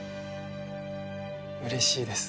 嬉しいです。